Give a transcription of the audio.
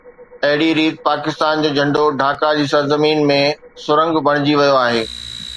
اهڙيءَ ريت پاڪستان جو جهنڊو ڍاڪا جي سرزمين ۾ سرنگهه بڻجي ويو آهي